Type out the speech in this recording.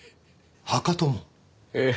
ええ。